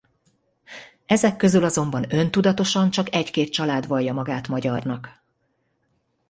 Ezek közül azonban öntudatosan csak egy-két család vallja magát magyarnak.